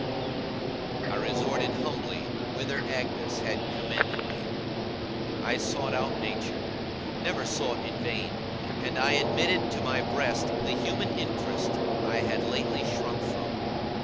I resorted humbly whither Agnes had commended me; I sought out Nature, never sought in vain; and I admitted to my breast the human interest I had lately shrunk from.